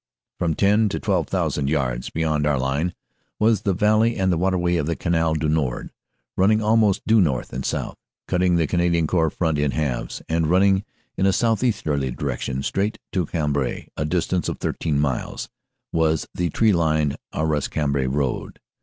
"From ten to twelve thousand yards beyond our line was the valley and the waterway of the Canal du Nord, running almost due north and south. Cutting the Canadian Corps front in halves and running in a southeasterly direction straight to Cambrai, a distance of thirteen miles, was the tree lined Arras Cambrai road.